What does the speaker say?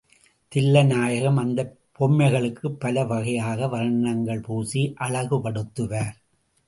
தில்லை நாயகம் அந்தப் பொம்மைகளுக்குப் பல வகையாக வர்ணங்கள் பூசி அழகுபடுத்துவார்.